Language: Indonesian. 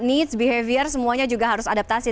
needs behavior semuanya juga harus adaptasi